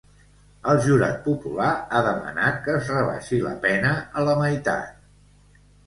El jurat popular ha demanat que es rebaixi la pena a la meitat.